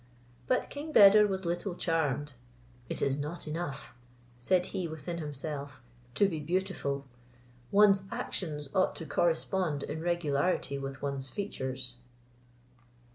But King Beder was little charmed: "It is not enough," said he within himself, "to be beautiful; one's actions ought to correspond in regularity with one's features."